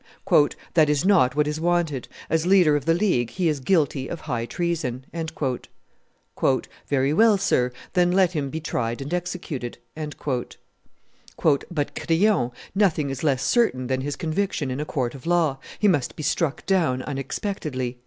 "That is not what is wanted; as leader of the League, he is guilty of high treason." "Very well, sir; then let him be tried and executed." "But, Crillon, nothing is less certain than his conviction in a court of law; he must be struck down unexpectedly."